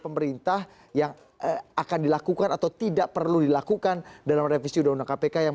pemerintah yang akan dilakukan atau tidak perlu dilakukan dalam revisi undang undang kpk yang